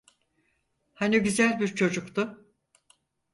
Hani güzel bir çocuktu.